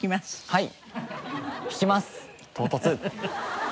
はい。